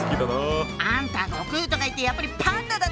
あんた悟空とかいってやっぱりパンダだったのね！